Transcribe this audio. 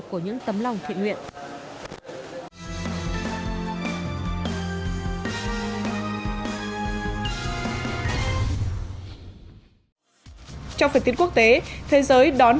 của những tấm lòng thuyện nguyện